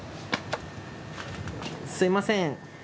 すみません。